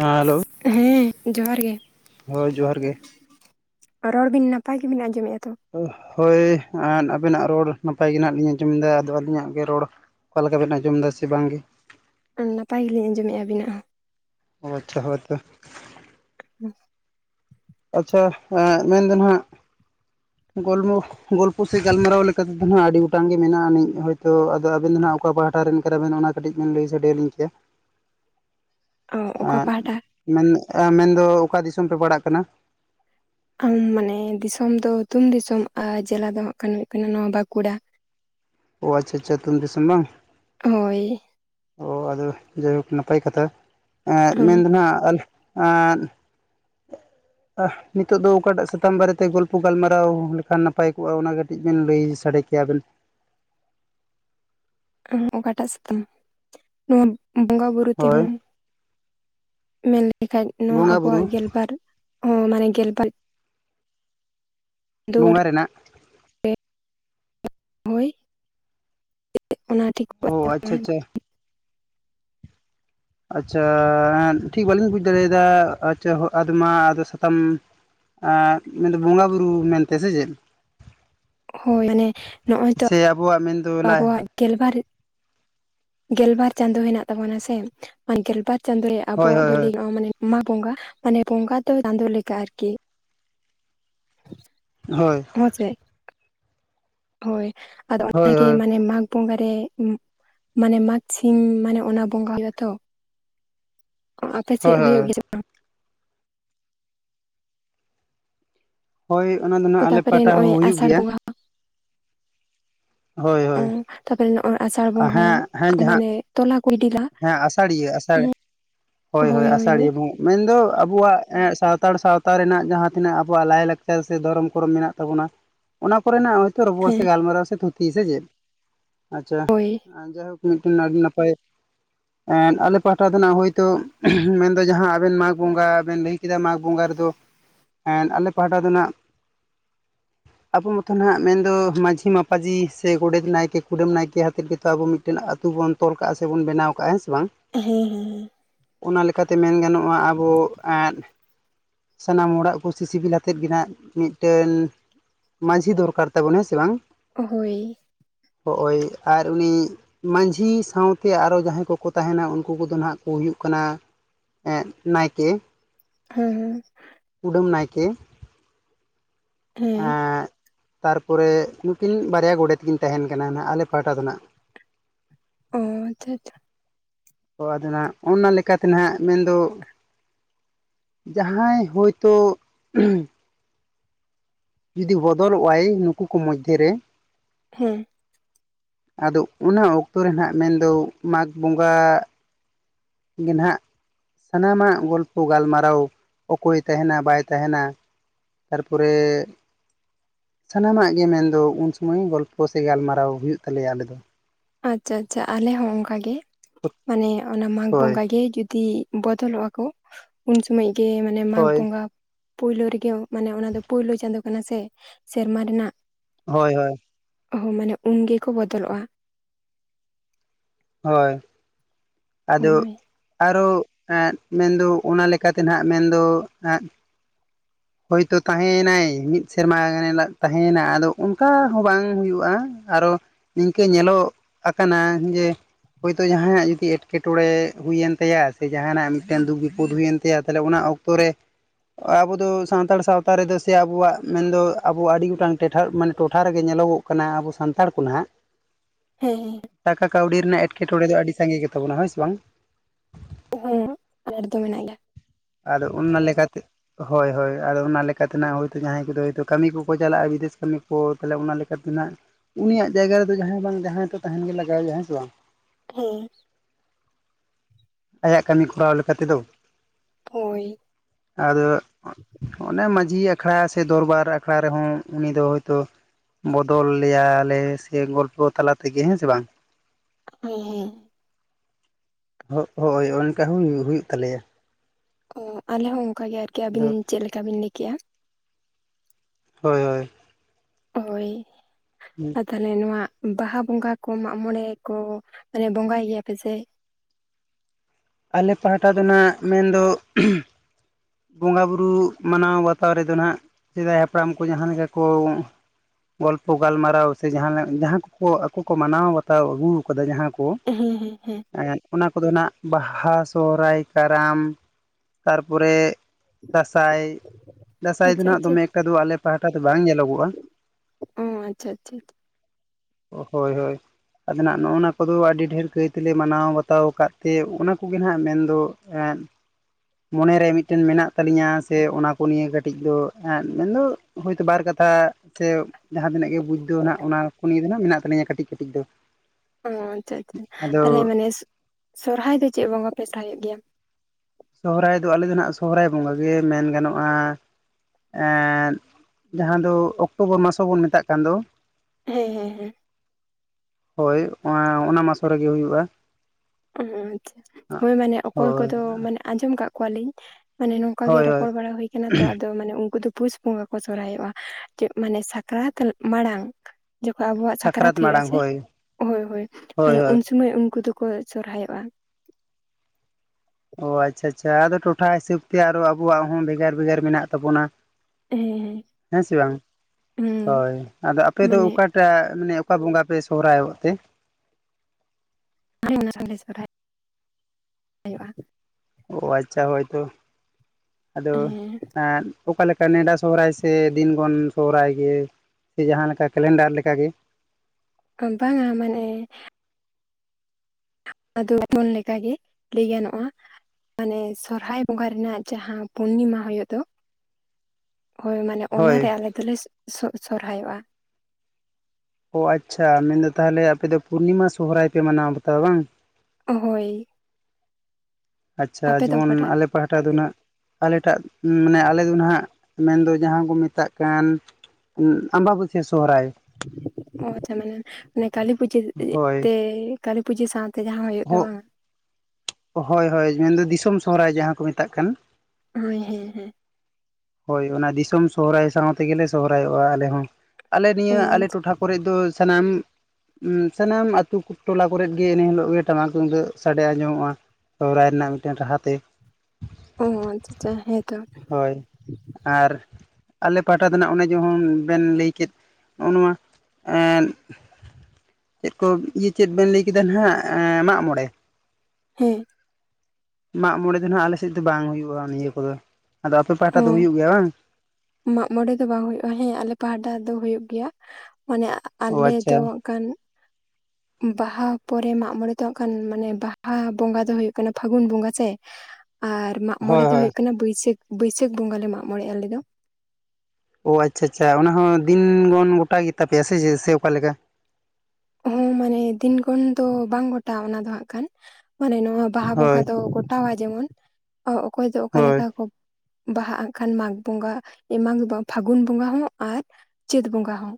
ᱦᱮᱸ ᱦᱮᱞᱳ ᱦᱮᱸ ᱡᱚᱦᱟᱨ ᱜᱮ᱾ ᱦᱳᱭ ᱡᱚᱦᱟᱨ ᱜᱮ ᱨᱚᱲ ᱵᱤᱱ ᱱᱟᱯᱟᱭ ᱜᱮᱵᱤᱱ ᱟᱸᱡᱚᱢᱮᱫᱼᱟ ᱛᱚ᱾ ᱦᱳᱭ ᱟᱵᱮᱱᱟᱜ ᱨᱚᱲ ᱱᱟᱯᱟᱭ ᱜᱮ ᱱᱟᱦᱟᱜ ᱞᱤᱧ ᱟᱸᱡᱚᱢᱮᱫᱟ ᱟᱫᱚ ᱟᱹᱞᱤᱧᱟᱜ ᱜᱮ ᱨᱚᱲ ᱚᱠᱟ ᱞᱮᱠᱟᱵᱮᱱ ᱟᱸᱡᱚᱢ ᱮᱫᱟ ᱥᱮ ᱵᱟᱝᱜᱮ᱾ ᱱᱟᱯᱟᱭ ᱜᱮᱞᱤᱧ ᱟᱸᱡᱚᱢᱮᱫᱼᱟ ᱟᱵᱮᱱᱟᱜ ᱦᱚᱸ᱾ ᱚ ᱟᱪᱪᱷᱟ ᱦᱳᱭᱛᱚ [unintelligible] ᱟᱪᱪᱷᱟ ᱢᱮᱱ ᱫᱚ ᱦᱟᱸᱜ ᱜᱳᱞᱢᱳ ᱜᱚᱞᱯᱚ ᱥᱮ ᱜᱟᱞᱢᱟᱨᱟᱣ ᱞᱮᱠᱟᱛᱮᱫᱚ ᱦᱟᱸᱜ ᱟᱹᱰᱤ ᱜᱚᱴᱟᱝ ᱜᱮ ᱢᱮᱱᱟᱜ-ᱟ, ᱟᱹᱱᱤᱡ ᱦᱳᱭᱛᱳ ᱟᱫᱚ ᱟᱵᱮᱱ ᱫᱚ ᱦᱟᱸᱜ ᱚᱠᱟ ᱯᱟᱦᱟᱴᱟ ᱨᱮᱱ ᱠᱟᱱᱟᱵᱮᱱ ᱚᱱᱟ ᱠᱟᱹᱴᱤᱡ ᱵᱮᱱ ᱞᱟᱹᱭ ᱥᱟᱰᱮ ᱟᱹᱞᱤᱧ ᱠᱮᱭᱟ᱾ [inaudible] ᱚ ᱚᱠᱟ ᱯᱟᱦᱴᱟ ᱟᱨ ᱢᱮᱱᱫᱚ ᱚᱠᱟ ᱫᱤᱥᱚᱢ ᱯᱮ ᱯᱟᱲᱟᱜ ᱠᱟᱱᱟ ᱟᱢ ᱢᱟᱱᱮ ᱫᱤᱥᱚᱢ ᱫᱚ ᱛᱩᱢ ᱫᱤᱥᱚᱢ, ᱟᱨ ᱡᱮᱞᱟ ᱫᱚ ᱦᱟᱸᱜ ᱦᱩᱭᱩᱜ ᱠᱟᱱᱟ ᱱᱚᱣᱟ ᱵᱟᱺᱠᱩᱲᱟ᱾ [inaudible] ᱚ ᱟᱪᱪᱷᱟ ᱟᱪᱪᱷᱟ ᱛᱩᱢ ᱫᱤᱥᱚᱢ ᱵᱟᱝ᱾ ᱦᱳᱭ ᱚ ᱟᱫᱚ ᱡᱟᱭᱦᱳᱠ ᱱᱟᱯᱟᱭ ᱠᱟᱛᱷᱟ ᱮᱸᱜ ᱢᱮᱱᱫᱚ ᱱᱟᱜ, [inaudible] ᱱᱤᱛᱚᱜ ᱫᱚ ᱚᱠᱟᱴᱟᱜ ᱥᱟᱛᱟᱢ ᱟᱸ ᱵᱟᱨᱮᱛᱮ ᱜᱚᱞᱯᱚ ᱜᱟᱞᱢᱟᱨᱟᱣ ᱞᱮᱠᱷᱟᱱ ᱱᱟᱯᱟᱭ ᱠᱚᱜᱼᱟ ᱚᱱᱟ ᱠᱟᱹᱴᱤᱡ ᱵᱮᱱ ᱞᱟᱹᱭ ᱥᱟᱰᱮ ᱠᱮᱭᱟᱵᱮᱱ᱾ ᱚᱸ ᱚᱠᱟᱴᱟᱜ ᱥᱟᱛᱟᱢ ᱱᱚᱣᱟ ᱵᱚᱸᱜᱟ ᱵᱩᱨᱩ ᱦᱳᱭ ᱛᱮᱦᱚᱸ, ᱢᱮᱱᱞᱮᱠᱷᱟᱡ ᱱᱚᱣᱟ ᱵᱚᱸᱜᱟ ᱵᱩᱨᱩ ᱟᱵᱚᱣᱟᱜ ᱜᱮᱞᱵᱟᱨ ᱦᱚᱸ ᱢᱟᱱᱮ ᱜᱮᱞᱵᱟᱨ, ᱫᱩᱣᱟᱹᱨ ᱵᱚᱸᱜᱟ ᱨᱮᱱᱟᱜ, ᱨᱮ ᱦᱳᱭ ᱚᱱᱟ ᱴᱷᱤᱠ ᱠᱚᱜᱟ ᱥᱮ ᱚ ᱟᱪᱪᱷᱟ ᱵᱟᱝᱟ, ᱟᱪᱪᱷᱟ ᱟᱪᱪᱷᱟ ᱦᱮᱸᱴᱷᱤᱠ ᱵᱟᱹᱞᱤᱧ ᱵᱩᱡ ᱫᱟᱲᱮᱭᱟᱫᱟ ᱟᱪᱪᱷᱟ ᱟᱫᱚ ᱢᱟ ᱟᱫᱚ ᱥᱟᱛᱟᱢ, ᱟᱹᱢᱮᱱᱫᱚ ᱵᱚᱸᱜᱟ ᱵᱩᱨᱩ ᱢᱮᱱᱛᱮ ᱥᱮ ᱪᱮᱫ? ᱦᱳᱭ ᱢᱟᱱᱮ ᱱᱚᱜᱼᱚᱭ ᱛᱚ, ᱥᱮᱟᱵᱚᱶᱟᱜ ᱢᱮᱱ, ᱟᱵᱚᱣᱟᱜ ᱜᱮᱞᱵᱟᱨ ᱜᱮᱞᱵᱟᱨ ᱪᱟᱸᱫᱳ ᱦᱮᱱᱟᱜ ᱛᱟᱵᱚᱱᱟ ᱥᱮ ᱢᱟᱱᱮ ᱜᱮᱞᱵᱟᱨ, ᱪᱟᱸᱫᱳᱭᱟᱜ ᱦᱳᱭ ᱟᱵᱚᱣᱟᱜ ᱦᱳᱭ ᱫᱚ ᱞᱟᱹᱭ ᱜᱚᱜᱼᱟ ᱢᱟᱱᱮ ᱪᱮᱫ? ᱢᱟᱜᱽ ᱵᱚᱸᱜᱟ ᱢᱟᱱᱮ ᱵᱚᱸᱜᱟ ᱫᱚ ᱪᱟᱸᱫᱳ ᱞᱮᱠᱟ ᱟᱨᱠᱤ᱾ ᱦᱳᱭ ᱦᱮᱸ ᱥᱮ᱾ ᱦᱳᱭ ᱟᱫᱚ ᱚᱱᱟ ᱦᱳᱭ ᱜᱮ ᱦᱳᱭ ᱢᱟᱱᱮ ᱢᱟᱜᱽ, ᱵᱚᱸᱜᱟᱨᱮ ᱢᱟᱱᱮ ᱢᱟᱜᱽ ᱥᱤᱢ ᱢᱟᱱᱮ ᱚᱱᱟ ᱵᱚᱸᱜᱟ ᱜᱮ ᱛᱚ᱾ ᱚ ᱟᱯᱮᱥᱮᱫ ᱦᱳᱭ ᱦᱩᱭᱩᱜ ᱦᱳᱭ ᱜᱮᱥᱮ᱾ ᱦᱳᱭ ᱚᱱᱟ ᱫᱚ ᱱᱟᱦᱟᱜ ᱟᱞᱮ ᱛᱟᱯᱚᱨᱮ ᱯᱟᱦᱴᱟ ᱱᱚᱜᱼᱚᱭ ᱦᱚᱸ ᱦᱩᱭᱩᱜ ᱟᱥᱟᱲ ᱜᱮᱭᱟ᱾ ᱵᱚᱸᱜᱟ ᱦᱳᱭ ᱦᱳᱭ᱾ ᱛᱚᱵᱮ ᱱᱚᱜᱼᱚᱭ ᱟᱥᱟᱲ ᱵᱚᱸᱜᱟ ᱦᱮᱸ ᱦᱮᱸ ᱦᱚᱸ ᱡᱟᱦᱟᱸ ᱢᱟᱱᱮ ᱛᱚᱞᱟ ᱠᱚ ᱤᱫᱤᱞᱟᱦᱟ᱾ ᱦᱮᱸ ᱟᱥᱟᱲᱤᱭᱟᱹ ᱟᱥᱟᱲ ᱦᱳᱭ ᱦᱳᱭ ᱟᱥᱟᱲᱤᱭᱟᱹ ᱵᱩ, ᱢᱮᱱᱫᱚ ᱟᱵᱚᱣᱟᱜ ᱮᱸᱜ ᱥᱟᱱᱛᱟᱲ ᱥᱟᱶᱛᱟ ᱨᱮᱱᱟᱜ ᱡᱟᱦᱟᱸ ᱛᱤᱱᱟᱹᱜ ᱟᱵᱚᱣᱟᱜ ᱞᱟᱭ ᱞᱟᱠᱪᱟᱨ ᱥᱮ ᱫᱷᱚᱨᱚᱢ ᱠᱚᱨᱚᱢ ᱢᱮᱱᱟᱜ ᱛᱟᱵᱱᱟ᱾ ᱛᱟᱵᱚᱱᱟ ᱚᱱᱟ ᱠᱚᱨᱮᱱᱟᱜ ᱦᱚᱭᱛᱚ ᱨᱚᱯᱚᱲ ᱥᱮ ᱦᱮᱸ ᱜᱟᱞᱢᱟᱨᱟᱣ ᱥᱮ ᱛᱷᱩᱛᱤ ᱥᱮ ᱪᱮᱫ ᱟᱪᱪᱷᱟ᱾ ᱦᱳᱭ ᱟᱸ ᱡᱟᱭᱦᱳᱠ ᱢᱤᱫᱴᱮᱱ ᱟᱹᱰᱤ ᱱᱟᱯᱟᱭ᱾ ᱮᱸ ᱟᱞᱮ ᱯᱟᱦᱴᱟ ᱫᱚᱱᱟᱜ ᱦᱳᱭᱛᱳ ᱢᱮᱱᱫᱚ ᱡᱟᱦᱟᱸ ᱟᱵᱮᱱ ᱢᱟᱜᱽ ᱵᱚᱸᱜᱟ ᱵᱮᱱ ᱞᱟᱹᱭ ᱠᱮᱫᱟ ᱢᱟᱜᱽ ᱵᱚᱸᱜᱟ ᱨᱮᱫᱚ᱾ ᱮ ᱟᱞᱮ ᱯᱟᱦᱴᱟ ᱫᱚᱱᱟᱜ᱾ [inaudible] ᱟᱵᱚ ᱢᱚᱛᱚ ᱱᱟᱸᱜ ᱢᱮᱱᱫᱚ ᱢᱟᱟᱹᱡᱷᱤ ᱢᱟᱯᱟᱡᱷᱤ ᱥᱮ ᱜᱚᱰᱮᱛ ᱱᱟᱭᱠᱮ ᱠᱩᱰᱟᱹᱢ ᱱᱟᱭᱠᱮ ᱟᱛᱮᱫ ᱜᱮᱛᱚ ᱟᱵᱚ ᱢᱤᱫᱴᱮᱱ ᱟᱛᱳ ᱵᱚᱱ᱾ ᱛᱚᱞ ᱠᱟᱜᱼᱟ ᱥᱮ ᱵᱚᱱ ᱵᱮᱱᱟᱣ ᱠᱟᱜᱼᱟ ᱦᱮᱸ ᱵᱟᱝ᱾ ᱦᱩᱸ ᱦᱩᱸ ᱚᱱᱟ ᱞᱮᱠᱟᱛᱮ ᱢᱮᱱ ᱜᱟᱱᱚᱜᱼᱟ ᱟᱵᱚ ᱮᱸᱜ, ᱥᱟᱱᱟᱢ ᱦᱚᱲᱟᱜ ᱠᱩᱥᱤ ᱥᱤᱵᱤᱞ ᱟᱛᱮᱫ ᱜᱮ ᱱᱟᱜ ᱢᱤᱫᱴᱮᱱ᱾ ᱢᱟᱹᱡᱷᱤ ᱫᱚᱨᱠᱟᱨ ᱛᱟᱵᱚᱱᱟ ᱦᱮ ᱥᱮ ᱵᱟᱝ᱾ ᱦᱳᱭ ᱦᱚᱜᱳᱭ ᱟᱨ ᱩᱱᱤ᱾ ᱢᱟᱹᱡᱷᱤ ᱥᱟᱶᱛᱮ ᱟᱨᱚ ᱡᱟᱦᱟᱸᱭ ᱠᱚᱠᱚ ᱛᱟᱦᱮᱱᱟ ᱩᱱᱠᱩ ᱠᱚᱫᱚ ᱱᱟᱜ ᱠᱚ ᱦᱩᱭᱩᱜ ᱠᱟᱱᱟ᱾ ᱮᱸᱜ ᱱᱟᱭᱠᱮ ᱦᱩᱸ ᱠᱩᱰᱟᱹᱢ ᱱᱟᱭᱠᱮ ᱦᱮᱸ ᱮᱸᱜ ᱛᱟᱨᱯᱚᱨᱮ ᱱᱩᱠᱤᱱ ᱵᱟᱨᱭᱟ ᱜᱚᱸᱰᱮᱛ ᱠᱤᱱ ᱛᱟᱦᱮᱱ ᱠᱟᱱᱟ ᱱᱟᱸᱜ ᱟᱞᱮ ᱯᱟᱦᱴᱟ ᱫᱚᱱᱟᱜ᱾ ᱚ ᱟᱪᱪᱷᱟ ᱟᱪᱪᱷᱟ ᱚ ᱟᱫᱚ ᱱᱟᱜ ᱚᱱᱟ ᱞᱮᱠᱟᱛᱮ ᱱᱟᱦᱟᱜ ᱢᱮᱱᱫᱚ ᱡᱟᱦᱟᱸᱭ ᱦᱳᱭᱛᱚ᱾ ᱡᱩᱫᱤ ᱵᱚᱫᱚᱞᱚᱜ ᱟᱭ ᱱᱩᱠᱩ ᱠᱚ ᱢᱚᱫᱽᱫᱷᱮ ᱨᱮ᱾ ᱦᱩᱸ ᱟᱫᱚ ᱚᱱᱟ ᱚᱠᱛᱚ ᱨᱮ ᱦᱟᱜ ᱢᱮᱱᱫᱚ ᱢᱟᱜᱽ ᱵᱚᱸᱜᱟᱼᱼ ᱜᱮ ᱱᱟᱜᱼᱼ ᱥᱟᱱᱟᱢᱟᱜ ᱜᱚᱞᱯᱚ ᱜᱟᱞᱢᱟᱨᱟᱣ, ᱚᱠᱚᱭ ᱛᱟᱦᱮᱱᱟ ᱵᱟᱭ ᱛᱟᱦᱮᱱᱟ᱾ ᱛᱟᱨᱯᱚᱨᱮ, ᱥᱟᱱᱟᱢᱟᱜᱼᱼ ᱢᱮᱱᱫᱚ, ᱩᱱ ᱜᱚᱞᱯᱚ ᱥᱮ ᱜᱟᱞᱢᱟᱨᱟᱣ ᱦᱩᱭᱩᱜ ᱛᱟᱞᱮᱭᱟ ᱟᱞᱮ ᱫᱚ᱾ ᱟᱪᱪᱷᱟ, ᱟᱪᱪᱷᱟ ᱟᱞᱮ ᱦᱚᱸ ᱚᱱᱠᱟ ᱜᱮ, ᱢᱟᱱᱮ ᱚᱱᱟ ᱢᱟᱜᱽ ᱦᱳᱭ ᱵᱚᱸᱜᱟ ᱜᱮ ᱡᱩᱫᱤᱼᱼ ᱵᱚᱫᱚᱞᱚᱜᱼᱟ ᱠᱚ, ᱩᱱ ᱥᱚᱢᱚᱭ ᱜᱮ ᱢᱟᱱᱮ ᱢᱟᱜᱽ ᱦᱳᱭ ᱵᱚᱸᱜᱟᱼᱼ ᱯᱩᱭᱞᱩ ᱨᱮᱜᱮ ᱢᱟᱱᱮ ᱚᱱᱟᱫᱚ ᱯᱩᱭᱞᱩ ᱪᱟᱸᱫᱳ ᱠᱟᱱᱟ ᱥᱮ ᱥᱮᱨᱢᱟ ᱨᱮᱱᱟᱜ᱾ ᱦᱚᱭ, ᱦᱚᱭ᱾ ᱦᱚᱸ ᱢᱟᱱᱮ ᱩᱱ ᱜᱮᱠᱚ ᱵᱚᱫᱚᱞᱚᱜᱼᱟ᱾ ᱦᱚᱭ, ᱟᱫᱚᱼᱼ ᱦᱳᱭ ᱟᱨᱚᱜ ᱮᱸᱜ, ᱢᱮᱱ ᱫᱚ ᱚᱱᱟ ᱞᱮᱠᱟᱛᱮ ᱦᱟᱸ ᱢᱮᱱᱫᱚ ᱮᱸᱜᱼᱼ ᱦᱳᱭᱛᱳ ᱛᱟᱦᱮᱭᱮᱱᱟᱭ, ᱢᱤᱫ ᱥᱮᱨᱢᱟ ᱜᱟᱱᱮ ᱛᱟᱦᱮᱭᱮᱱᱟ᱾ ᱟᱫᱚ ᱚᱱᱠᱟ ᱦᱚᱸ ᱵᱟᱝ ᱦᱩᱭᱩᱜᱼᱟ ᱾ ᱟᱨᱚᱼᱼ ᱱᱤᱝᱠᱟᱹ ᱧᱮᱞᱚᱜ ᱟᱠᱟᱱᱟ ᱡᱮᱼᱼ ᱦᱳᱭᱛᱳ ᱡᱟᱦᱟᱸᱭᱟᱜ ᱡᱩᱫᱤ ᱮᱴᱠᱮᱴᱚᱬᱮ ᱦᱩᱭᱮᱱ ᱛᱟᱭᱟ ᱾ ᱥᱮ ᱡᱟᱦᱟᱱᱟᱜ ᱢᱤᱫᱴᱮᱱ ᱫᱩᱠ ᱵᱤᱯᱚᱫᱽ ᱦᱩᱭᱮᱱ ᱛᱟᱭᱟ᱾ ᱛᱟᱦᱚᱞᱮ ᱚᱱᱟ ᱚᱠᱛᱚᱼᱼ ᱚᱠᱛᱚ ᱨᱮ, ᱟᱵᱚ ᱫᱚᱼᱼ ᱥᱟᱱᱛᱟᱲ ᱥᱟᱶᱛᱟ ᱨᱮᱫᱚ ᱥᱮ ᱟᱵᱚᱣᱟᱜ ᱢᱮᱱᱫᱚ, ᱟᱵᱚ ᱟᱹᱰᱤ ᱜᱚᱴᱟᱝ ᱴᱮᱴᱷᱟ ᱢᱟᱱᱮ ᱴᱚᱴᱷᱟ ᱨᱮᱜᱮ ᱧᱮᱞᱚᱜᱚᱜᱼᱼ ᱠᱟᱱᱟ᱾ ᱟᱵᱚ ᱥᱟᱱᱛᱟᱲ ᱠᱚ ᱱᱟᱜᱼᱼ ᱦᱮᱸ, ᱦᱮᱸ᱾ ᱴᱟᱠᱟ ᱠᱟᱹᱣᱰᱤ ᱨᱮᱱᱟᱜ ᱮᱴᱠᱮᱴᱚᱬᱮ ᱫᱚ ᱟᱹᱰᱤ ᱥᱟᱸᱜᱮ ᱜᱮ ᱛᱟᱵᱚᱱᱟ ᱦᱳᱭ ᱥᱮ ᱵᱟᱝ? ᱦᱚᱸ ᱟᱱᱟᱴ ᱫᱚ ᱢᱮᱱᱟᱜ ᱜᱮᱭᱟ᱾ ᱟᱫᱚ ᱚᱱᱟ ᱞᱮᱠᱟᱛᱮ, ᱦᱳᱭ, ᱦᱳᱭ, ᱚᱱᱟ ᱞᱮᱠᱟᱛᱮᱱᱟᱜ ᱦᱳᱭᱛᱚ ᱡᱟᱦᱟᱸᱭ ᱠᱚᱠᱚ ᱪᱟᱞᱟᱜᱼᱟ᱾ ᱵᱤᱫᱮᱥ ᱠᱟᱹᱢᱤ ᱠᱚ᱾ [unintelligible] ᱛᱟᱦᱚᱞᱮ ᱚᱱᱟ ᱞᱮᱠᱟᱛᱮ ᱱᱟᱦᱟᱜ, ᱩᱱᱤᱭᱟᱜ ᱡᱟᱭᱜᱟ ᱨᱮᱫᱚ ᱡᱟᱦᱟᱸᱭ ᱵᱟᱝ ᱡᱟᱦᱟᱸᱭ ᱛᱚ ᱛᱟᱦᱮᱱ ᱜᱮ ᱞᱟᱜᱟᱣ ᱮᱭᱟ ᱦᱮᱸ ᱥᱮ ᱵᱟᱝ᱾ ᱦᱮᱸ ᱟᱭᱟᱜ ᱠᱟᱹᱢᱤ ᱠᱚᱨᱟᱣ ᱞᱮᱠᱟ ᱛᱮᱫᱚ᱾ ᱦᱳᱭ ᱟᱫᱚ ᱚᱱᱮ ᱢᱟᱺᱡᱷᱤ ᱟᱠᱷᱲᱟ ᱥᱮ ᱫᱚᱨᱵᱟᱨ ᱟᱠᱷᱲᱟ ᱨᱮᱦᱚᱸ, ᱩᱱᱤ ᱫᱚ ᱦᱳᱭᱛᱳᱼᱼ ᱵᱚᱫᱚᱞ ᱞᱮᱭᱟᱞᱮ ᱥᱮ ᱜᱚᱞᱯᱚ ᱛᱟᱞᱟ ᱛᱮᱜᱮ ᱦᱮᱸ ᱥᱮ ᱵᱟᱝ᱾ ᱦᱮᱸ, ᱦᱮᱸ᱾ ᱦᱳᱭ, [unintelligible] ᱚᱱᱠᱟ ᱦᱚᱸ ᱦᱩᱭᱩᱜ ᱛᱟᱞᱮᱭᱟ᱾ ᱚ ᱟᱞᱮ ᱦᱚᱸ ᱚᱱᱠᱟ ᱜᱮ ᱟᱨᱠᱤ ᱟᱹᱵᱤᱱ ᱟᱫᱚ ᱪᱮᱫ ᱞᱮᱠᱟ ᱵᱤᱱ ᱞᱟᱹᱭᱠᱮᱜᱼᱟ᱾ ᱦᱳᱭ, ᱦᱳᱭ᱾ ᱦᱳᱭ ᱦᱩᱸ ᱟᱨ ᱛᱟᱦᱚᱞᱮ ᱱᱚᱣᱟ ᱵᱟᱦᱟ ᱵᱚᱸᱜᱟ ᱠᱚ ᱢᱟᱜᱽ ᱢᱚᱬᱮ ᱠᱚ, ᱢᱟᱱᱮ ᱵᱚᱸᱜᱟᱭ ᱜᱮᱭᱟ ᱯᱮᱥᱮ᱾ ᱟᱞᱮ ᱯᱟᱦᱴᱟ ᱫᱚ ᱱᱟᱜ ᱢᱮᱱᱫᱚᱼᱼ ᱵᱚᱸᱜᱟ ᱵᱩᱨᱩ ᱢᱟᱱᱟᱣ ᱵᱟᱛᱟᱣ ᱨᱮᱫᱚ ᱦᱟᱸᱜ, ᱥᱮᱫᱟᱭ ᱦᱟᱯᱲᱟᱢ ᱠᱚ ᱡᱟᱦᱟᱸ ᱞᱮᱠᱟ ᱠᱚᱼᱼ ᱜᱚᱞᱯᱚ ᱜᱟᱞᱢᱟᱨᱟᱣ ᱥᱮ ᱡᱟᱦᱟᱸ ᱡᱟᱦᱟᱸ ᱠᱚ, ᱟᱠᱚ ᱠᱚ ᱢᱟᱱᱟᱣ ᱵᱟᱛᱟᱣ ᱟᱹᱜᱩ ᱟᱠᱟᱫᱟ ᱡᱟᱦᱟᱸ ᱠᱚ᱾ ᱦᱮᱸ, ᱦᱮᱸ, ᱦᱮᱸ᱾ ᱮᱸᱜ, ᱚᱱᱟ ᱠᱚᱫᱚ ᱦᱟᱸᱜ ᱵᱟᱦᱟ, ᱥᱚᱨᱦᱟᱭ, ᱠᱟᱨᱟᱢ ᱛᱟᱨᱯᱚᱨᱮᱼᱼ ᱫᱟᱥᱟᱭ ᱫᱟᱥᱟᱭ ᱫᱚ ᱟᱪᱪᱷᱟ ᱱᱟᱜ ᱫᱚᱢᱮ ᱮᱠᱴᱟ ᱫᱚ ᱟᱞᱮ ᱯᱟᱦᱟᱴᱟ ᱫᱚ ᱵᱟᱝ ᱧᱮᱞᱚᱜ ᱚᱸ ᱟᱪᱪᱷᱟ ᱟᱪᱪᱷᱟ ᱦᱳᱭ ᱦᱳᱭ ᱟᱫᱚ ᱱᱟᱜ ᱱᱚᱜᱼᱚᱱᱟ ᱠᱚᱫᱚ ᱟᱹᱰᱤ ᱰᱷᱮᱨ ᱠᱟᱹᱭ ᱛᱮᱞᱮ ᱢᱟᱱᱟᱣ ᱵᱟᱛᱟᱣ ᱟᱠᱟᱫ ᱛᱮ ᱚᱱᱟ ᱠᱚᱜᱮ ᱱᱟᱦᱟᱜ ᱢᱮᱱᱫᱚ ᱮᱫ ᱢᱚᱱᱮ ᱨᱮ ᱢᱤᱫᱴᱮᱱ ᱢᱮᱱᱟᱜ ᱛᱟᱹᱟᱞᱤᱧᱟ ᱥᱮ ᱚᱱᱟ ᱠᱚ ᱱᱤᱭᱮ ᱠᱟᱹᱴᱤᱡ ᱫᱚ ᱢᱮᱱᱫᱚ ᱦᱳᱭᱛᱳ ᱵᱟᱨ ᱠᱟᱛᱷᱟ ᱥᱮ ᱡᱟᱦᱟᱸ ᱛᱤᱱᱟᱹᱜ ᱜᱮ ᱵᱩᱡ ᱫᱚᱟᱹ ᱦᱱᱟᱜᱜ ᱚᱱᱟ ᱠᱚ ᱱᱤᱭᱮ ᱫᱚ ᱱᱟᱜ ᱢᱮᱱᱟᱜ ᱛᱟᱞᱤᱧᱟ ᱠᱟᱹᱴᱤᱡ ᱠᱟᱹᱴᱤᱡ ᱫᱚ᱾ ᱚ ᱟᱪᱪᱷᱟ ᱟᱪᱪᱷᱟ ᱛᱟᱦᱚᱞᱮ ᱟᱫᱚ ᱢᱟᱱᱮ ᱥᱚᱨᱚᱦᱟᱭ ᱫᱚ ᱪᱮᱫ ᱵᱚᱸᱜᱟ ᱯᱮ ᱥᱚᱨᱦᱟᱭᱚᱜ ᱜᱮᱭᱟ? ᱥᱚᱦᱚᱨᱟᱭ ᱫᱚ ᱟᱞᱮ ᱫᱚᱱ ᱦᱟᱸᱜ ᱥᱚᱦᱚᱨᱟᱭ ᱵᱚᱸᱜᱟ ᱜᱮ ᱢᱮᱱ ᱜᱟᱱᱚᱜᱼᱟ ᱮᱸᱫ ᱡᱟᱦᱟᱸ ᱫᱚ ᱚᱠᱴᱳᱵᱚᱨ ᱢᱟᱥ ᱦᱚᱸ ᱵᱚᱱ ᱢᱮᱛᱟᱜ ᱠᱟᱱ ᱫᱚ᱾ ᱦᱮᱸ ᱦᱮᱸ ᱦᱮᱸ᱾ ᱦᱳᱭ ᱚᱱᱟ ᱚᱱᱟ ᱢᱟᱥ ᱠᱚᱨᱮ ᱜᱮ ᱦᱩᱭᱩᱜᱼᱟ᱾ ᱚ ᱟᱪᱪᱷᱟ ᱦᱳᱭ ᱢᱟᱱᱮ ᱚᱠᱚᱭ ᱠᱚᱫᱚ ᱦᱳᱭ ᱢᱟᱱᱮ ᱟᱸᱡᱚᱢ ᱠᱟᱜ ᱠᱚᱣᱟᱞᱤᱧ ᱢᱟᱱᱮ ᱱᱚᱝᱠᱟ ᱜᱮ ᱦᱳᱭ ᱨᱚᱯᱚᱲ ᱵᱟᱲᱟ ᱦᱩᱭ ᱠᱟᱱᱟ ᱛᱚ ᱟᱫᱚ ᱢᱟᱱᱮ ᱩᱱᱠᱩ ᱫᱚ ᱯᱩᱥ ᱵᱚᱸᱜᱟ ᱠᱚ ᱥᱚᱨᱦᱟᱭᱚᱜᱼᱟ ᱪᱮᱫ ᱢᱟᱱᱮ ᱥᱟᱠᱨᱟᱛ ᱢᱟᱲᱟᱝ᱾ ᱡᱚᱠᱷᱚᱡ ᱟᱵᱚᱣᱟᱜ ᱥᱟᱠᱨᱟᱛ ᱦᱩᱭᱩᱜ ᱢᱟᱲᱟᱝ ᱟᱥᱮ ᱦᱳᱭ ᱦᱳᱭ ᱦᱳᱭ ᱦᱳᱭ ᱦᱳᱭ ᱩᱱ ᱥᱩᱢᱚᱭ ᱩᱱᱠᱩ ᱫᱚᱠᱚ ᱥᱚᱨᱦᱟᱭᱚᱜᱼᱟ᱾ ᱚ ᱟᱪᱪᱷᱟ ᱟᱪᱪᱷᱟ ᱟᱫᱚ ᱴᱚᱴᱷᱟ ᱦᱤᱥᱟᱹᱵᱽ ᱛᱮ ᱟᱨᱚ ᱟᱵᱚᱣᱟᱜ ᱦᱚᱸ ᱵᱷᱮᱜᱟᱨ ᱵᱷᱮᱜᱟᱨ ᱢᱮᱱᱟᱜ ᱛᱟᱵᱚᱱᱟ ᱦᱮᱸ ᱦᱮᱸ ᱥᱮ ᱵᱟᱝ ᱦᱮᱸ ᱦᱳᱭ ᱟᱫᱚ ᱟᱯᱮ ᱫᱚ ᱢᱟᱱᱮ ᱚᱠᱟ ᱴᱟᱜ ᱢᱟᱱᱮ ᱚᱠᱟ ᱵᱚᱸᱜᱟ ᱯᱮ ᱥᱚᱦᱚᱨᱟᱭᱚᱜ ᱛᱮ? [unintelligible] ᱚᱱᱟ ᱥᱟᱝ ᱞᱮ ᱥᱚᱨᱦᱟᱭᱜᱼᱟ᱾ [unintelligible] ᱚ ᱟᱪᱪᱷᱟ ᱦᱚᱭ ᱛᱳ, ᱟᱫᱚ ᱦᱮᱸ ᱮᱸᱜ ᱚᱠᱟ ᱞᱮᱠᱟ ᱱᱮᱰᱟ ᱥᱚᱦᱚᱨᱟᱭ ᱥᱮ ᱫᱤᱱᱜᱚᱱ ᱥᱚᱦᱚᱨᱟᱭ ᱜᱮ ᱥᱮ ᱡᱟᱦᱟᱸ ᱞᱮᱠᱟ ᱠᱮᱞᱮᱱᱰᱟᱨ ᱞᱮᱠᱟ ᱜᱮ? ᱵᱟᱝᱟ ᱢᱟᱱᱮ ᱟᱫᱚ [unintelligible] ᱞᱮᱠᱟᱜᱮ ᱞᱟᱹᱭ ᱜᱟᱱᱚᱜᱼᱟ᱾ ᱢᱟᱱᱮ ᱥᱚᱨᱦᱟᱭ ᱵᱚᱸᱜᱟ ᱨᱮᱱᱟᱜ ᱡᱟᱦᱟᱸ ᱯᱩᱨᱱᱤᱢᱟ ᱦᱩᱭᱩᱜ ᱫᱚ ᱦᱳᱭ ᱢᱟᱱᱮ ᱦᱳᱭ ᱚᱱᱟᱨᱮ ᱟᱞᱮ ᱫᱚᱞᱮ ᱥᱚᱜ ᱥᱚᱨᱦᱟᱭᱚᱜᱼᱟ᱾ ᱚ ᱟᱪᱪᱷᱟ ᱢᱮᱱ ᱫᱚ ᱛᱟᱦᱚᱞᱮ ᱟᱯᱮ ᱫᱚ ᱯᱩᱨᱱᱤᱢᱟ ᱥᱚᱦᱚᱨᱟᱭ ᱯᱮ ᱢᱟᱱᱟᱣ ᱵᱟᱛᱟᱣᱟ ᱵᱟᱝ? ᱦᱳᱭ᱾ ᱟᱪᱪᱷᱟ ᱟᱯᱮ ᱫᱚ ᱡᱮᱢᱚᱱ ᱚᱠᱟᱴᱟᱜ ᱟᱞᱮ ᱯᱟᱦᱟᱴᱟ ᱫᱚ ᱱᱟᱦᱟᱜ ᱟᱞᱮᱴᱟᱜ ᱢᱟᱱᱮ ᱟᱞᱮ ᱫᱚ ᱱᱟᱦᱟᱸᱜ ᱢᱮᱱᱫᱚ ᱡᱟᱦᱟᱸ ᱠᱚ ᱢᱮᱛᱟᱜ ᱠᱟᱱ ᱩᱸᱜ ᱟᱢᱵᱟᱵᱟᱹᱥᱭᱟᱹ ᱥᱚᱦᱚᱨᱟᱭ᱾ ᱚ ᱟᱪᱪᱷᱟ ᱢᱟᱱᱮ ᱚᱱᱮ ᱠᱟᱹᱞᱤ ᱯᱩᱡᱟᱹ ᱦᱳᱭ ᱛᱮ ᱠᱟᱹᱞᱤ ᱯᱩᱡᱟᱹ ᱥᱟᱶ ᱛᱮ ᱡᱟᱦᱟᱸ ᱦᱩᱭᱩᱜ ᱫᱚ ᱵᱟᱝ? ᱦᱳᱭ ᱦᱳᱭ ᱢᱮᱱᱫᱚ ᱫᱤᱥᱚᱢ ᱥᱚᱦᱚᱨᱟᱭ ᱡᱟᱦᱟᱸ ᱠᱚ ᱢᱮᱛᱟᱜ ᱠᱟᱱ᱾ ᱦᱳᱭ ᱦᱮᱸ ᱦᱮᱸ᱾ ᱦᱳᱭ ᱚᱱᱟ ᱫᱤᱥᱚᱢ ᱥᱚᱦᱚᱨᱟᱭ ᱥᱟᱶ ᱛᱮᱜᱮᱞᱮ ᱥᱚᱦᱚᱨᱟᱭᱚᱜᱼᱟ ᱟᱞᱮ ᱦᱚᱸ ᱟᱞᱮ ᱚ ᱱᱤᱭᱟᱹ ᱟᱞᱮ ᱴᱚᱴᱷᱟ ᱠᱚᱨᱮᱫ ᱫᱚ ᱥᱟᱱᱟᱢ ᱩ ᱥᱟᱱᱟᱢ ᱟᱹᱛᱩ ᱴᱚᱞᱟ ᱠᱚᱨᱮ ᱜᱮ ᱮᱱᱟ ᱦᱤᱞᱳᱜ ᱜᱮ ᱴᱟᱢᱟᱠ ᱛᱩᱢᱫᱟᱹᱜ ᱥᱟᱰᱮ ᱟᱸᱡᱚᱢᱚᱜᱼᱟ᱾ ᱥᱚᱦᱚᱨᱟᱭ ᱨᱮᱱᱟᱜ ᱢᱤᱫᱴᱮᱱ ᱨᱟᱦᱟᱛᱮ᱾ ᱚ ᱟᱪᱪᱷᱟ ᱦᱮᱸ ᱛᱚ᱾ ᱦᱳᱭ, ᱟᱨ ᱟᱞᱮ ᱯᱟᱦᱟᱴᱟ ᱫᱚᱱ ᱦᱟᱸᱜ ᱚᱱᱮ ᱡᱚᱦᱚᱱ ᱵᱮᱱ ᱞᱟᱹᱭ ᱠᱮᱫ ᱱᱚᱜᱼᱚ ᱱᱚᱣᱟ ᱮᱸᱫ ᱪᱮᱫ ᱠᱚ ᱤᱭᱟᱹ ᱪᱮᱫ ᱵᱮᱱ ᱞᱟᱹᱭ ᱠᱮᱫᱟᱱ ᱦᱟᱸᱜ ᱮᱸ ᱢᱟᱜ ᱢᱚᱬᱮ᱾ ᱦᱮᱸ᱾ ᱢᱟᱜᱽ ᱢᱚᱬᱮ ᱫᱚ ᱱᱟᱦᱟᱸᱜ ᱟᱞᱮ ᱥᱮᱫ ᱫᱚ ᱵᱟᱝ ᱦᱩᱭᱩᱜᱼᱟ ᱱᱤᱭᱟᱹ ᱠᱚᱫᱚ ᱟᱫᱚ ᱟᱯᱮ ᱯᱟᱦᱟᱴᱟ ᱫᱚ ᱦᱩᱭᱩᱜ ᱜᱮᱭᱟ ᱵᱟᱝ? ᱢᱟᱜᱽ ᱢᱚᱬᱮ ᱫᱚ ᱵᱟᱝ ᱦᱩᱭᱩᱜᱼᱟ ᱦᱮᱸ ᱟᱞᱮ ᱯᱟᱦᱟᱴᱟ ᱫᱚ ᱦᱩᱭᱩᱜ ᱜᱮᱭᱟ ᱢᱟᱱᱮ ᱚ ᱟᱞᱮ ᱫᱚ ᱟᱪᱪᱷᱟ ᱚᱱᱠᱟᱱ ᱵᱟᱦᱟ ᱯᱚᱨᱮ ᱢᱟᱜ ᱢᱚᱬᱮ ᱫᱚ ᱟᱠᱷᱟᱱ ᱢᱟᱱᱮ ᱵᱟᱦᱟ ᱵᱚᱸᱜᱟ ᱫᱚ ᱦᱩᱭᱩᱜ ᱠᱟᱱᱟ ᱯᱷᱟᱹᱜᱩᱱ ᱵᱚᱸᱜᱟ ᱥᱮ? ᱟᱨ ᱢᱟᱜᱽ ᱢᱚᱬᱮ ᱦᱳᱭ ᱫᱚ ᱦᱳᱭ ᱦᱩᱭᱩᱜ ᱠᱟᱱᱟ ᱵᱟᱹᱭᱥᱟᱹᱠᱷ ᱵᱟᱹᱭᱥᱟᱹᱠᱷ ᱵᱚᱸᱜᱟ ᱞᱮ ᱢᱟᱜᱽ ᱢᱚᱬᱮᱜᱼᱟ ᱟᱞᱮ ᱫᱚ᱾ ᱚ ᱟᱪᱪᱷᱟ ᱟᱪᱪᱷᱟ ᱚᱱᱟ ᱦᱚᱸ ᱫᱤᱱ ᱜᱚᱱ ᱜᱚᱴᱟ ᱜᱮ ᱛᱟᱯᱮᱭᱟ ᱥᱮ ᱪᱮᱫ ᱥᱮ ᱚᱠᱟ ᱞᱮᱠᱟ? ᱦᱚᱸ ᱢᱟᱱᱮ ᱫᱤᱱᱜᱚᱱ ᱫᱚ ᱵᱟᱝ ᱜᱚᱴᱟᱜᱼᱟ ᱚᱱᱟ ᱫᱚ ᱦᱟᱸᱜ ᱠᱷᱟᱱ ᱢᱟᱱᱮ ᱱᱚᱣᱟ ᱵᱟᱦᱟ ᱦᱳᱭ ᱵᱚᱸᱜᱟ ᱫᱚ ᱜᱚᱴ ᱴᱟᱣᱟ ᱡᱮᱢᱚᱱ ᱚᱠᱚᱭ ᱫᱚ ᱚᱠᱟ ᱦᱳᱭ ᱞᱮᱠᱟ ᱠᱚ ᱵᱟᱦᱟᱜ ᱟᱜ ᱠᱷᱟᱱ ᱢᱟᱜᱽ ᱵᱚᱸᱜᱟ ᱮ ᱢᱟᱜᱽ ᱫᱚ ᱵᱟᱝ ᱯᱷᱟᱹᱜᱩᱱ ᱵᱚᱸᱜᱟ ᱦᱚᱸ ᱟᱨ ᱪᱟᱹᱛ ᱵᱚᱸᱜᱟ ᱦᱚᱸ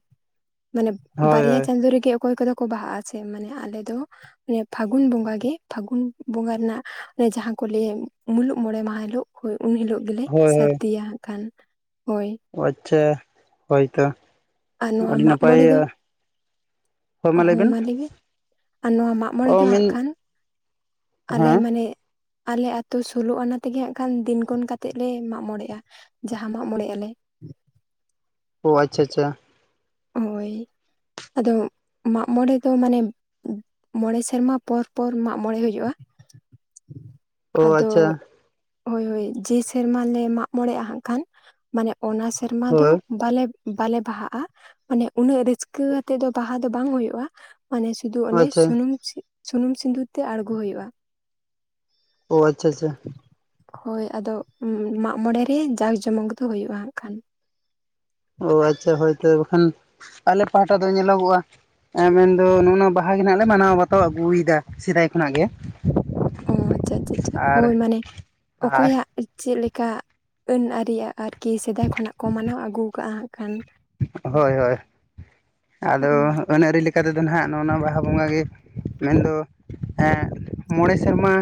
ᱢᱟᱱᱮ ᱦᱳᱭ ᱵᱟᱨᱭᱟ ᱪᱟᱸᱫᱳ ᱨᱮᱜᱮ ᱚᱠᱚᱭ ᱠᱚᱫᱚ ᱠᱚ ᱵᱟᱦᱟᱜᱼᱟ ᱥᱮ ᱢᱟᱱᱮ ᱟᱞᱮ ᱫᱚ ᱚᱱᱮ ᱯᱷᱟᱹᱜᱩᱱ ᱵᱚᱸᱜᱟ ᱜᱮ, ᱯᱷᱟᱹᱜᱩᱱ ᱵᱚᱸᱜᱟ ᱨᱮᱱᱟᱜ ᱚᱱᱮ ᱡᱟᱦᱟᱸ ᱠᱚ ᱞᱟᱹᱭ, ᱢᱩᱞᱩᱜ ᱢᱚᱬᱮ ᱢᱟᱦᱟ ᱦᱤᱞᱳᱜ᱾ ᱦᱳᱭ ᱩᱱ ᱦᱤᱞᱳᱜ ᱜᱮᱞᱮ ᱦᱳᱭ ᱥᱟᱹᱨᱫᱤᱭᱟ ᱦᱟᱸᱜ ᱠᱷᱟᱱ, ᱦᱳᱭ᱾ ᱚ ᱟᱪᱪᱷᱟ ᱦᱳᱭ ᱛᱚ ᱟᱨ ᱱᱚᱣᱟ ᱟᱹᱰᱤ ᱢᱟᱜ ᱢᱚᱬᱮ ᱫᱚ ᱱᱟᱯᱟᱭᱼᱟ᱾ ᱦᱚᱸ ᱢᱟ ᱞᱟᱹᱭ ᱢᱮ, ᱟᱨ ᱱᱚᱣᱟ ᱢᱟᱜ ᱢᱚᱬᱮ ᱫᱚ ᱚ ᱢᱮᱱ ᱦᱟᱸᱜ ᱠᱷᱟᱱ ᱟᱞᱮ ᱦᱮᱸ ᱢᱟᱱᱮ ᱟᱞᱮ ᱟᱛᱳ ᱥᱳᱞᱳ ᱚᱱᱟ ᱛᱮᱜᱮ ᱦᱟᱸᱜ ᱠᱷᱟᱱ ᱫᱤᱱ ᱜᱚᱱ ᱠᱟᱛᱮᱫ ᱞᱮ ᱢᱟᱜ ᱢᱚᱬᱮᱜᱼᱟ, ᱡᱟᱦᱟᱸ ᱢᱟᱜ ᱢᱚᱬᱮᱜ ᱟᱞᱮ᱾ ᱳ ᱟᱪᱪᱷᱟ ᱟᱪᱪᱷᱟ᱾ ᱦᱳᱭ ᱟᱫᱚ ᱢᱟᱜ ᱢᱚᱲᱮ ᱫᱚ ᱢᱟᱱᱮ ᱢᱚᱬᱮ ᱥᱮᱨᱢᱟ ᱯᱚᱨ ᱯᱚᱨ ᱢᱟᱜ ᱢᱚᱬᱮ ᱦᱩᱭᱩᱜᱼᱟ᱾ ᱚ ᱟᱪᱪᱷᱟ ᱟᱫᱚ, ᱦᱳᱭ ᱦᱳᱭ ᱡᱮ ᱥᱮᱨᱢᱟ ᱞᱮ ᱢᱟᱜ ᱢᱚᱬᱮᱜᱼᱟ ᱦᱟᱸᱜ ᱠᱷᱟᱱ, ᱢᱟᱱᱮ ᱚᱱᱟ ᱥᱮᱨᱢᱟ ᱫᱚ ᱦᱳᱭ ᱵᱟᱮ ᱵᱟᱞᱮ ᱵᱟᱦᱟᱜᱼᱟ, ᱢᱟᱱᱮ ᱩᱱᱟᱹᱜ ᱨᱟᱹᱥᱠᱟᱹ ᱟᱛᱮ ᱫᱚ ᱵᱟᱦᱟ ᱫᱚ ᱵᱟᱝ ᱦᱳᱭᱳᱼᱟ, ᱢᱟᱱᱮ ᱥᱩᱫᱩ ᱚᱱᱮ ᱟᱪᱪᱷᱟ ᱥᱩᱱᱩᱢ ᱥᱩᱱᱩᱢ ᱥᱤᱸᱫᱩᱨ ᱛᱮ ᱟᱬᱜᱳᱭ ᱦᱳᱭᱳᱜᱼᱟ᱾ ᱳ ᱟᱪᱪᱷᱟ ᱟᱪᱪᱷᱟ᱾ ᱦᱳᱭ ᱟᱫᱚ ᱢᱟᱜ ᱢᱚᱬᱮ ᱨᱮ ᱡᱟᱸᱠ ᱡᱚᱢᱚᱠ ᱫᱚ ᱦᱩᱭᱩᱜᱼᱟ ᱦᱟᱸᱜ ᱠᱷᱟᱱ᱾ ᱚ ᱟᱪᱪᱷᱟ ᱦᱳᱭ ᱛᱚ, ᱵᱟᱠᱷᱟᱱ ᱟᱞᱮ ᱯᱟᱦᱴᱟ ᱫᱚ ᱧᱮᱞᱚᱜᱚᱜᱼᱟ ᱮ ᱢᱮᱱᱫᱚ ᱱᱚᱜ-ᱚᱭ ᱱᱚᱣᱟ ᱵᱟᱦᱟ ᱜᱮᱞᱮ ᱢᱟᱱᱟᱣ ᱵᱟᱛᱟᱣ ᱟᱹᱜᱩᱭ ᱫᱟ ᱥᱮᱫᱟᱭ ᱠᱷᱚᱱᱟᱜ ᱜᱮ᱾ ᱚ ᱟᱪᱪᱷᱟ ᱟᱪᱪᱷᱟ ᱟᱪᱪᱷᱟ, ᱟᱨ ᱦᱳᱭ ᱢᱟᱱᱮ ᱟᱨ ᱚᱠᱚᱭᱟᱜ ᱪᱮᱫ ᱞᱮᱠᱟ ᱟᱹᱱ-ᱟᱹᱨᱤ ᱟᱨᱠᱤ ᱥᱮᱫᱟᱭ ᱠᱷᱚᱱᱟᱜ ᱠᱚ ᱢᱟᱱᱟᱣ ᱟᱹᱜᱩ ᱠᱟᱜᱼᱟ ᱦᱟᱸᱜ ᱠᱷᱟᱱ, ᱦᱳᱭ ᱦᱳᱭ, ᱟᱫᱚ ᱟᱹᱱ ᱟᱹᱨᱤ ᱞᱮᱠᱟ ᱛᱮᱫᱚ ᱱᱟᱦᱟᱜ ᱱᱚᱜᱼᱚᱱᱟ ᱵᱟᱦᱟ ᱵᱚᱸᱜᱟ ᱜᱮ ᱢᱮᱱ ᱫᱚ ᱮᱜ ᱢᱚᱬᱮ ᱥᱮᱨᱢᱟ,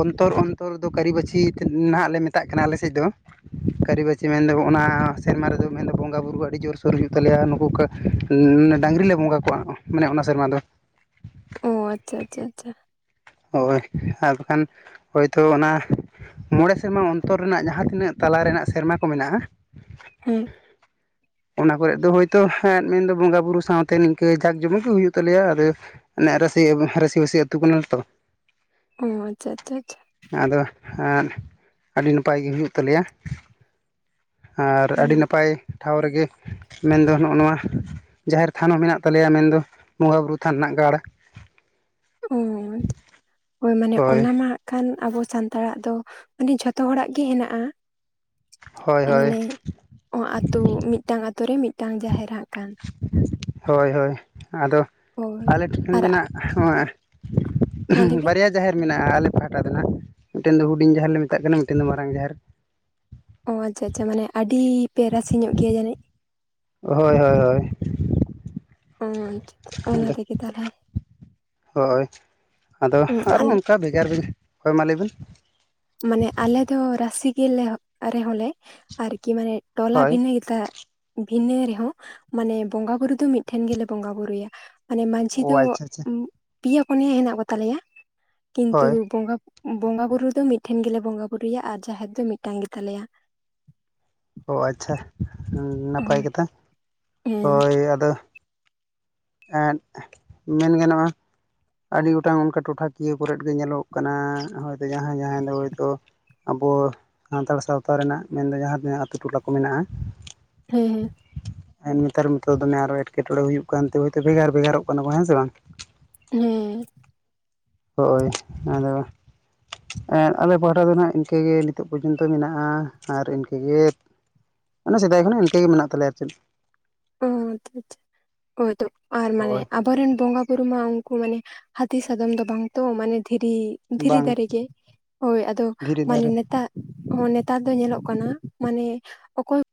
ᱚᱱᱛᱚᱨ ᱚᱱᱛᱚᱨ ᱫᱚ ᱠᱟᱹᱨᱤ ᱵᱟᱹᱪᱷᱤ ᱱᱟᱦᱟᱸᱜ ᱞᱮ ᱢᱮᱛᱟᱜ ᱠᱟᱱᱟ ᱟᱞᱮ ᱥᱮᱫ ᱫᱚ᱾ ᱠᱟᱹᱨᱤ ᱵᱟᱹᱪᱤ ᱢᱮᱱ ᱫᱚ ᱚᱱᱟ ᱥᱮᱨᱢᱟ ᱨᱮᱫᱚ ᱢᱮᱱ ᱫᱟ ᱵᱚᱱ᱾ ᱵᱚᱸᱜᱟ ᱵᱩᱨᱩ ᱟᱹᱰᱤ ᱡᱳᱨ ᱠᱚ ᱨᱩᱢᱩᱜ ᱛᱟᱞᱮᱭᱟ, ᱱᱩᱠᱩ ᱰᱟᱝᱨᱤ ᱞᱮ ᱵᱚᱸᱜᱟ ᱠᱚᱣᱟ, ᱢᱟᱱᱮ ᱚᱱᱟ ᱥᱮᱨᱢᱟ ᱫᱚ᱾ ᱚ ᱟᱪᱪᱷᱟ ᱟᱪᱪᱷᱟ ᱟᱪᱪᱷᱟ ᱾ ᱦᱳᱭ ᱟᱨ ᱵᱟᱠᱷᱟᱱ ᱦᱳᱭᱛᱳ ᱛᱚ ᱚᱱᱟ ᱢᱚᱬᱮ ᱥᱮᱨᱢᱟ ᱚᱱᱛᱚᱨ ᱨᱮᱱᱟᱜ ᱡᱟᱦᱟᱸ ᱛᱤᱱᱟᱹᱜ ᱛᱟᱞᱟ ᱨᱮᱱᱟᱜ ᱥᱮᱨᱢᱟ ᱠᱚ ᱢᱮᱱᱟᱜᱼᱟ, ᱦᱮᱸ᱾ ᱚᱱᱟ ᱠᱚᱨᱮᱫ ᱫᱚ ᱦᱳᱭᱛᱳ ᱢᱮᱱ ᱫᱚ ᱵᱚᱸᱜᱟ ᱵᱩᱨᱩ ᱥᱟᱶᱛᱮ ᱱᱤᱝᱠᱟᱹ ᱡᱟᱸᱠ ᱡᱚᱢᱚᱠ ᱜᱮ ᱦᱩᱭᱩᱜ ᱛᱟᱞᱮᱭᱟ, ᱟᱫᱚ ᱢᱟᱱᱮ ᱨᱟᱹᱥᱤ ᱨᱟᱹᱥᱤ-ᱵᱟᱹᱥᱤ ᱟᱹᱛᱩ ᱠᱟᱱᱟ ᱛᱚ᱾ ᱚ ᱟᱪᱪᱷᱟ ᱟᱪᱪᱷᱟ ᱟᱪᱪᱷᱟ᱾ ᱟᱫᱚ ᱮ ᱟᱹᱰᱤ ᱱᱟᱯᱟᱭ ᱜᱮ ᱦᱩᱭᱩᱜ ᱛᱟᱞᱮᱭᱟ᱾ ᱟᱨ ᱟᱹᱰᱤ ᱦᱮᱸ ᱱᱟᱯᱟᱭ ᱴᱷᱟᱶ ᱨᱮᱜᱮ ᱢᱮᱱᱫᱚ ᱱᱚᱜᱼᱚ ᱱᱚᱣᱟ, ᱡᱟᱦᱮᱸᱨ ᱛᱷᱟᱱ ᱦᱚᱸ ᱢᱮᱱᱟᱜ ᱛᱟᱞᱮᱭᱟ, ᱢᱮᱱᱫᱚ ᱵᱚᱸᱜᱟ ᱵᱩᱨᱩ ᱛᱷᱟᱱ ᱨᱮᱱᱟᱜ ᱜᱟᱲ᱾ ᱩᱸᱻ, ᱦᱳᱭ ᱢᱟᱱᱮ ᱚᱱᱟ ᱢᱟ ᱦᱟᱸᱜ ᱠᱷᱟᱱ ᱟᱵᱚ ᱥᱟᱱᱛᱟᱲᱟᱜ ᱫᱚ, ᱢᱟᱱᱮ ᱡᱷᱚᱛᱚ ᱦᱚᱲᱟᱜ ᱜᱮ ᱦᱮᱱᱟᱜᱼᱟ᱾ ᱦᱳᱭ ᱦᱳᱭ ᱢᱟᱱᱮ, ᱚ ᱟᱛᱳ ᱢᱤᱫᱴᱟᱝ ᱟᱛᱳ ᱨᱮ ᱢᱤᱫᱴᱟᱝ ᱡᱟᱦᱮᱨ ᱦᱟᱸᱜ ᱠᱷᱟᱱ᱾ ᱦᱳᱭ ᱦᱳᱭ, ᱟᱫᱚ ᱦᱳᱭ ᱟᱞᱮ ᱴᱷᱮᱱ ᱟᱨ ᱫᱚ ᱱᱟᱦᱟᱜ ᱢᱟ ᱞᱟᱹᱭ [inaudible] ᱵᱤᱱ ᱵᱟᱨᱭᱟ ᱡᱟᱦᱮᱨ ᱢᱮᱱᱟᱜᱼᱟ ᱟᱞᱮ ᱯᱟᱦᱟᱴᱟ ᱫᱚ ᱱᱟᱦᱟᱜ, ᱢᱤᱫᱴᱮᱱ ᱫᱚ ᱦᱩᱰᱤᱧ ᱡᱟᱦᱮᱨ ᱞᱮ ᱢᱮᱛᱟᱜ ᱠᱟᱱᱟ ᱢᱤᱫᱴᱮᱱ ᱫᱚ ᱢᱟᱨᱟᱝ ᱡᱟᱦᱮᱨ᱾ ᱚ ᱟᱪᱪᱷᱟ ᱟᱪᱪᱷᱟ ᱢᱟᱱᱮ ᱟᱹᱰᱤ ᱯᱮ ᱨᱟᱥᱤ ᱧᱚᱜ ᱜᱮᱭᱟ ᱡᱟᱹᱱᱤᱡ? ᱦᱳᱭ ᱦᱳᱭ ᱦᱳᱭ᱾ ᱚᱻ, ᱚᱱᱟ ᱟᱫᱚ ᱛᱮᱜᱮ ᱛᱟᱦᱟᱞᱮ᱾ ᱦᱳᱭ, ᱟᱫᱚ ᱟᱨᱚ ᱚᱝᱠᱟ ᱵᱷᱮᱜᱟᱨ, [inaudible] ᱦᱚᱭ ᱢᱟ ᱞᱟᱹᱭ ᱵᱤᱱ᱾ ᱢᱟᱱᱮ ᱟᱞᱮ ᱫᱚ ᱨᱟᱥᱤ ᱜᱮ ᱨᱮᱦᱚᱸ ᱞᱮ ᱟᱨᱠᱤ ᱢᱟᱱᱮ ᱴᱚᱞᱟ ᱦᱳᱭ ᱵᱷᱤᱱᱟᱹ ᱜᱮ ᱛᱟ ᱵᱷᱤᱱᱟᱹ ᱨᱮᱦᱚᱸ ᱢᱟᱱᱮ ᱵᱚᱸᱜᱟ ᱵᱩᱨᱩ ᱫᱚ ᱢᱤᱫ ᱴᱷᱮᱱ ᱜᱮᱞᱮ ᱵᱩᱨᱩᱭᱟ᱾ ᱢᱟᱱᱮ ᱢᱟᱺᱡᱷᱤ ᱚ ᱫᱚ ᱟᱪᱪᱷᱟ ᱟᱪᱪᱷᱟ ᱯᱮᱭᱟ ᱯᱩᱱᱭᱟ ᱦᱮᱱᱟᱜ ᱠᱚ ᱛᱟᱞᱮᱭᱟ, ᱠᱤᱱᱛᱩ ᱦᱳᱭ ᱵᱚᱸᱜᱟ ᱵᱚᱸᱜᱟ ᱵᱩᱨᱩ ᱫᱚ ᱢᱤᱫ ᱴᱷᱮᱱ ᱜᱮᱞᱮ ᱵᱚᱸᱜᱟ ᱵᱩᱨᱩᱭᱟ ᱟᱨ ᱡᱟᱦᱮᱨ ᱫᱚ ᱢᱤᱫᱴᱟᱝ ᱜᱮ ᱛᱟᱞᱮᱭᱟ᱾ ᱚ ᱟᱪᱪᱷᱟ, ᱱᱟᱯᱟᱭ ᱦᱳᱭ ᱠᱟᱛᱷᱟ᱾ ᱦᱮᱸ ᱦᱳᱭ ᱟᱫᱚ ᱮᱸᱫ, ᱢᱮᱱ ᱜᱟᱱᱚᱜᱼᱟ ᱟᱹᱰᱤ ᱜᱚᱴᱟᱝ ᱚᱝᱠᱟ ᱴᱚᱴᱷᱟ ᱠᱤᱭᱟᱹ ᱠᱚᱨᱮᱫ ᱜᱮ ᱧᱮᱞᱚᱜ ᱠᱟᱱᱟ ᱦᱳᱭᱛᱳ ᱡᱟᱦᱟᱸᱭ ᱡᱟᱦᱟᱸᱭ ᱫᱚ ᱦᱚᱭᱛᱳ ᱟᱵᱚ ᱥᱟᱱᱛᱟᱲ ᱥᱟᱶᱛᱟ ᱨᱮᱱᱟᱜ ᱢᱮᱱᱫᱚ ᱡᱟᱦᱟᱸ ᱛᱤᱱᱟᱹᱜ ᱟᱛᱳ ᱴᱚᱞᱟ ᱠᱚ ᱢᱮᱱᱟᱜᱼᱟ ᱾ ᱦᱮᱸ ᱦᱮᱸ᱾ ᱱᱮᱛᱟᱨ ᱢᱟᱛᱚ ᱫᱚᱢᱮ ᱟᱨᱚ ᱮᱴᱠᱮᱴᱚᱬᱮ ᱦᱩᱭᱩᱜ ᱠᱟᱱᱛᱮ ᱦᱳᱭᱛᱳ ᱵᱷᱮᱜᱟᱨ ᱵᱷᱮᱜᱟᱨᱚᱜ ᱠᱟᱱᱟ ᱠᱚ ᱦᱮᱸ ᱥᱮ ᱵᱟᱝ? ᱦᱮᱸ᱾ ᱦᱳᱭ ᱟᱫᱚ ᱟᱞᱮ ᱯᱟᱦᱴᱟ ᱫᱚ ᱱᱟᱦᱟᱜ ᱤᱝᱠᱟᱹ ᱜᱮ ᱱᱤᱛᱚᱜ ᱯᱚᱨᱡᱚᱱᱛᱚ ᱢᱮᱱᱟᱜᱼᱟ ᱟᱨ ᱤᱱᱠᱟᱹ ᱜᱮ ᱢᱟᱱᱮ ᱥᱮᱫᱟᱭ ᱠᱷᱚᱱᱟᱜ ᱤᱱᱠᱟᱹ ᱜᱮ ᱢᱮᱱᱟᱜ ᱛᱟᱞᱮᱭᱟ ᱟᱨ ᱪᱮᱫ ᱾ ᱚ ᱦᱚᱸ ᱟᱪᱪᱷᱟ ᱟᱪᱪᱷᱟ, ᱦᱳᱭᱛᱚ ᱟᱨ ᱢᱟᱱᱮ ᱦᱳᱭ ᱟ ᱟᱵᱚ ᱨᱮᱱ ᱵᱚᱸᱜᱟ ᱵᱩᱨᱩ ᱢᱟ ᱩᱝᱠᱩ ᱢᱟᱱᱮ ᱦᱟᱹᱛᱤ ᱥᱟᱫᱚᱢ ᱫᱚ ᱵᱟᱝ ᱛᱚ ᱢᱟᱱᱮ ᱫᱷᱤᱨᱤ ᱫᱷᱤᱨᱤ ᱵᱟᱝ ᱫᱟᱨᱮ ᱜᱮ, ᱦᱳᱭ ᱟᱫᱚ ᱫᱷᱤᱨᱤ ᱫᱟᱨᱮ ᱢᱟᱱᱮ ᱱᱮᱛᱟ ᱦᱚᱸ ᱱᱮᱛᱟᱨ ᱫᱚ ᱧᱮᱞᱚᱜ ᱠᱟᱱᱟ ᱢᱟᱱᱮ ᱚᱠᱚᱭ